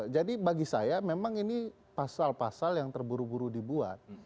jadi bagi saya memang ini pasal pasal yang terburu buru dibuat